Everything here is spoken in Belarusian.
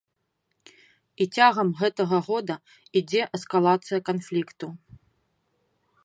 І цягам гэтага года ідзе эскалацыя канфлікту.